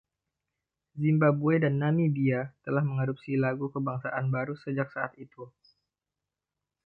Zimbabwe dan Namibia telah mengadopsi lagu kebangsaan baru sejak saat itu.